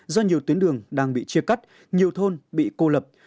do nhiều tuyến đường đang bị chia cắt nhiều thôn bị cô lập